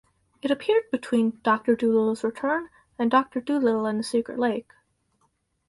It appeared between "Doctor Dolittle's Return" and "Doctor Dolittle and the Secret Lake".